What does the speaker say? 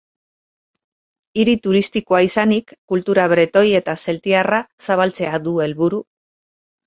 Hiri turistikoa izanik kultura bretoi eta zeltiarra zabaltzea du helburu.